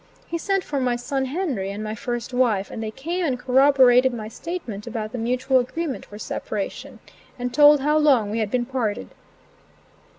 He sent for my son Henry and my first wife, and they came and corroborated my statement about the mutual agreement for separation, and told how long we had been parted.